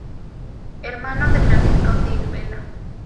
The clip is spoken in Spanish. Hermano de Francisco Silvela.